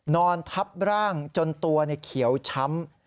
นอนทับร่างจนตัวเขียวช้ำ